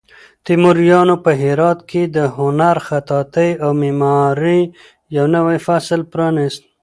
تیموریانو په هرات کې د هنر، خطاطۍ او معمارۍ یو نوی فصل پرانیست.